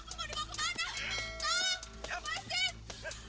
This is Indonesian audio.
ya lagu apa sih anak ho